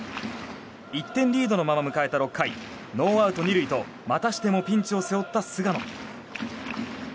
１点リードのまま迎えた６回ノーアウト２塁と、またしてもピンチを背負った菅野。